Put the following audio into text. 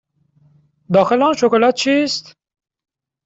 داخل آن شکلات چیست؟